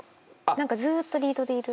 何かずっとリードでいる。